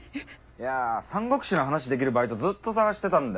いや『三国志』の話できるバイトずっと探してたんだよ。